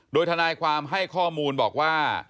โดยทนายความให้ข้อมูลบอกว่า